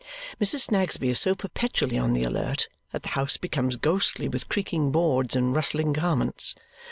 Mrs. Snagsby is so perpetually on the alert that the house becomes ghostly with creaking boards and rustling garments.